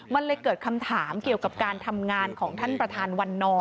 มันเลยเกิดคำถามเกี่ยวกับการทำงานของท่านประธานวันนอน